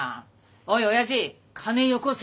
おいおやじ金よこせ！